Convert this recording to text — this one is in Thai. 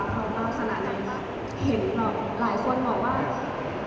ก็ไม่คิดว่าให้ฝันว่าทุกคนจะเชียร้องก็แบบรับรับรับขนาดนั้น